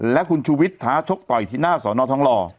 และคุณชูวิทย์ท้าชกต่อยที่หน้าสอนอทองหล่อ